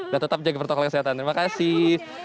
dan tetap jaga protokol kesehatan terima kasih